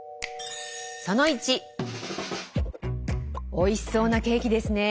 おいしそうなケーキですねぇ。